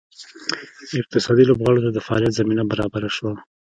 اقتصادي لوبغاړو ته د فعالیت زمینه برابره شوه.